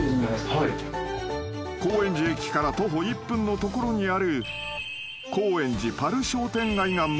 ［高円寺駅から徒歩１分の所にある］